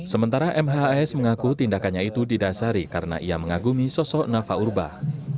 sementara mhs mengaku tindakannya itu didasari karena ia mengagumi sosok nafa urbah